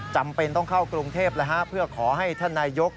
จำเป็นต้องเข้ากรุงเทพเพื่อขอให้ท่านนายก